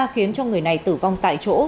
khiến cho người này tử vong tại chỗ